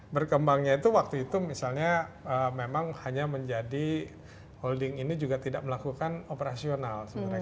berkembangnya itu waktu itu misalnya memang hanya menjadi holding ini juga tidak melakukan operasional sebenarnya